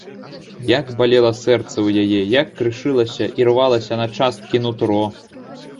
Як балела сэрца ў яе, як крышылася, ірвалася на часткі нутро!